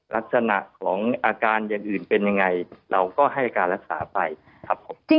ลักษณะของอาการอย่างอื่นเป็นยังไงเราก็ให้การรักษาไปครับผม